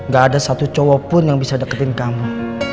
gak ada satu cowok pun yang bisa deketin kamu